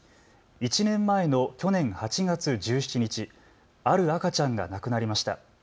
１年前の去年８月１７日、ある赤ちゃんが亡くなりました。